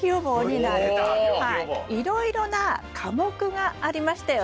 いろいろな科目がありましたよね。